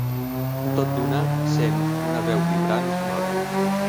Tot d'una sent una veu vibrant i sonora